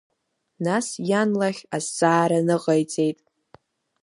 Нас иан лахь азҵаара ныҟаиҵеит.